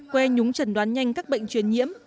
que nhúng trần đoán nhanh các bệnh truyền nhiễm